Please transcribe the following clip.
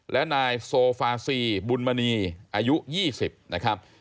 และนายโซฟาซีบุญมณีอายุ๒๐นะครับ